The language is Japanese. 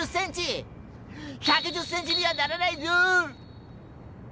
１１０ｃｍにはならないぞ！